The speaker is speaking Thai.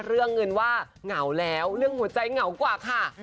เรื่องเงินว่าเหงาแล้วเรื่องหัวใจเหงากว่าค่ะ